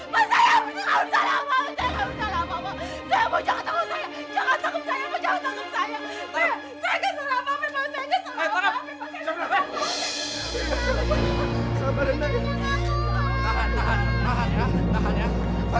mas saya takut salah apa apa